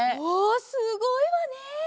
おすごいわね！